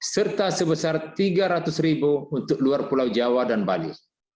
serta sebesar rp tiga ratus untuk luar pulau jawa dan bali